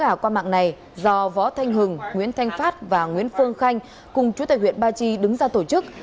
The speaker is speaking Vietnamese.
đá gà qua mạng này do võ thanh hừng nguyễn thanh phát và nguyễn phương khanh cùng chủ tịch huyện ba chi đứng ra tổ chức